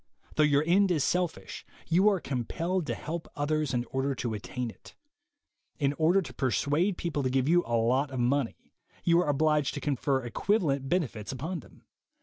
Though your end is selfish, you are compelled to help others in order to attain it. In order to per suade people to give you a lot of money, you are obliged to confer equivalent benefits upon them.